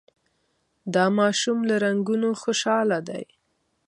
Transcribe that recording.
دا ماشوم له رنګونو خوشحاله دی.